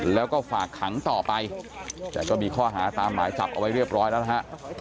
แล้วก็ฝากขังต่อไปแต่ก็มีข้อหาตามหมายจับเอาไว้เรียบร้อยแล้วนะฮะ